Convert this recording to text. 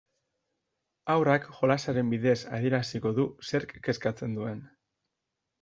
Haurrak jolasaren bidez adieraziko du zerk kezkatzen duen.